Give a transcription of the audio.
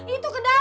itu ke dalam